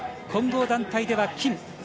混合団体では金。